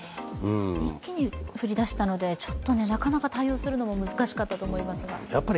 一気に降りだしたので、なかなか対応するの難しかったと思いますが。